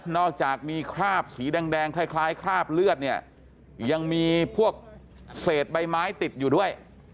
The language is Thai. อกจากมีคราบสีแดงคล้ายคราบเลือดเนี่ยยังมีพวกเศษใบไม้ติดอยู่ด้วย